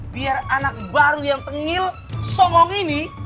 biar anak baru yang tengil somong ini